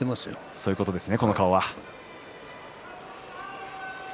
そういう顔ですね。